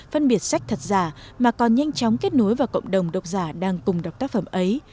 phân biệt sách thật giả mà còn nhanh chóng kết nối vào cộng đồng độc giả đang cùng đọc tác phẩm ấy